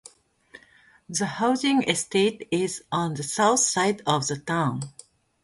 The housing estate is on the south side of the town.